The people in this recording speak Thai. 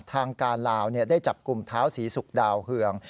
ทางการลาวได้จับกลุ่มเท้าศรีศุกร์ดาวเฮือง